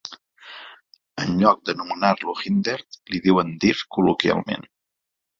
En lloc d'anomenar-lo Hindert, li diuen Dirt col·loquialment.